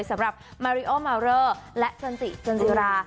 สำหรับมาริโอมาวเลอร์และจันจิจันจิรา